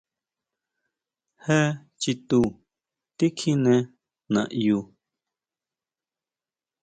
¿Jé chitu tikjiné naʼyu?